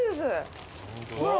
ほら。